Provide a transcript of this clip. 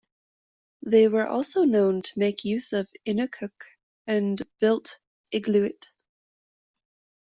They were also known to make use of "inukhuk" and built "igluit".